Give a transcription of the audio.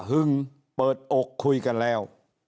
ฮึงเปิดอกคุยกันแล้ว